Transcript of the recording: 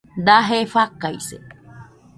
Daje fakaise